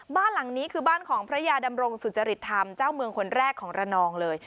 บ้านหลังนี้คือบ้านของพระยาดำรงสุจริตธรรมเจ้าเมืองคนแรกของระนองเลย